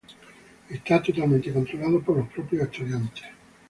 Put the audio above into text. Esta totalmente controlado por los propios estudiantes.